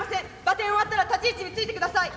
場転終わったら立ち位置に着いてください。